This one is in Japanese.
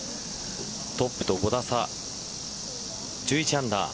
トップと５打差１１アンダー